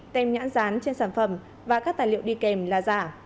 tem nhãn rán trên sản phẩm và các tài liệu đi kèm là giả